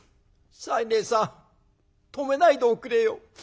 「西念さん止めないでおくれよ。